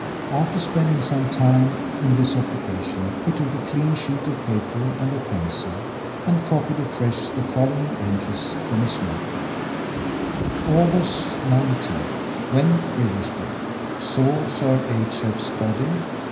After spending some time in this occupation he took a clean sheet of paper and a pencil, and copied afresh the following entries from his notebook: August 19. Went Riversbrook. Saw Sir H.F.'s body.